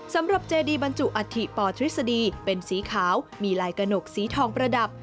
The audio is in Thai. สำหรับเจดีบรรจุอัฐิปอทฤษฎีเป็นสีขาวมีลายกระหนกสีทองประดับ